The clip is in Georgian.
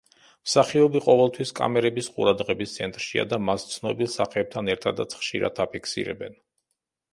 მსახიობი ყოველთვის კამერების ყურადღების ცენტრშია და მას ცნობილ სახეებთან ერთადაც ხშირად აფიქსირებენ.